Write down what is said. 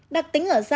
đặc tính ở da